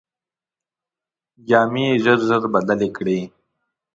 جامې یې ژر ژر بدلې کړې.